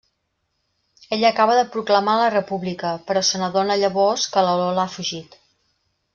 Ell acaba de proclamar la República, però se n'adona llavors que la Lola ha fugit.